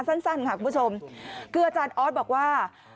สั้นค่ะคุณผู้ชมคืออาจารย์ออสบอกว่า